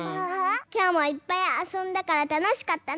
きょうもいっぱいあそんだからたのしかったね。